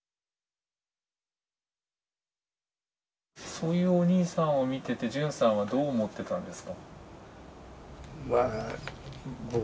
そういうお兄さんを見てて純さんはどう思ってたんですか？